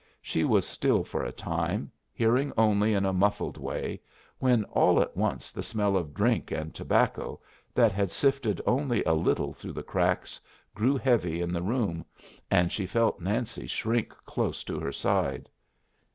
She was still for a time, hearing only in a muffled way, when all at once the smell of drink and tobacco, that had sifted only a little through the cracks, grew heavy in the room, and she felt Nancy shrink close to her side.